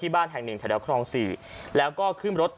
พี่บ้านไม่อยู่ว่าพี่คิดดูด